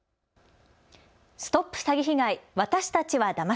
ＳＴＯＰ詐欺被害！